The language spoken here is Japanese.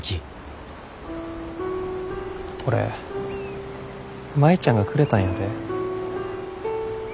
これ舞ちゃんがくれたんやで。